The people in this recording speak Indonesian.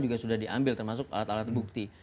juga sudah diambil termasuk alat alat bukti